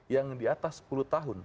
yang di atas sepuluh tahun